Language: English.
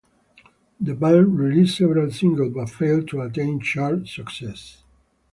The band released several singles, but failed to attain chart success.